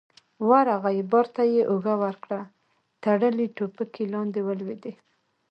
ورغی، بار ته يې اوږه ورکړه، تړلې ټوپکې لاندې ولوېدې.